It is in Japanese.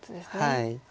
はい。